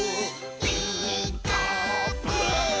「ピーカーブ！」